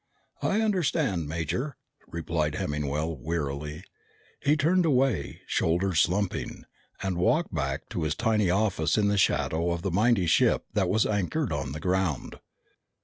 "I understand, Major," replied Hemmingwell wearily. He turned away, shoulders slumping, and walked back to his tiny office in the shadow of the mighty ship that was anchored on the ground.